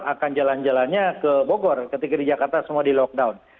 akan jalan jalannya ke bogor ketika di jakarta semua di lockdown